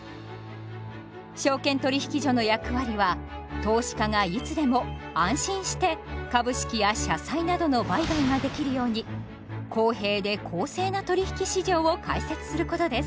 証券取引所の役割は投資家がいつでも安心して株式や社債などの売買ができるように公平で公正な取引市場を開設することです。